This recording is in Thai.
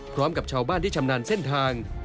พร้อมกับชาวบ้านที่ชำนาญเส้นทาง